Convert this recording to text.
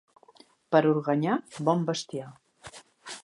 Per Organyà, bon bestiar.